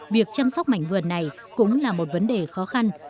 việc chăm sóc mảnh vườn này cũng là một vấn đề khó khăn